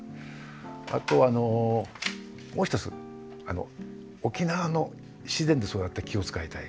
あとはあのもう一つ沖縄の自然で育った木を使いたい。